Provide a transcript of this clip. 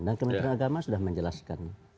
dan kementerian agama sudah menjelaskan